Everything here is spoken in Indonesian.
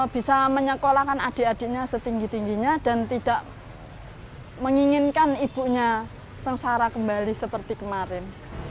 bisa menyekolahkan adik adiknya setinggi tingginya dan tidak menginginkan ibunya sengsara kembali seperti kemarin